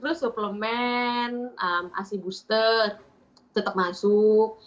terus suplemen asi booster tetap masuk